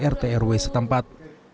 rt rw setempat